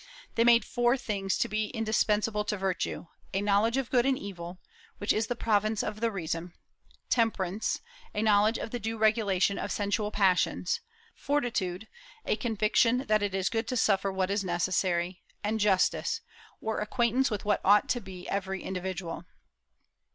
They made four things to be indispensable to virtue, a knowledge of good and evil, which is the province of the reason; temperance, a knowledge of the due regulation of the sensual passions; fortitude, a conviction that it is good to suffer what is necessary; and justice, or acquaintance with what ought to be to every individual.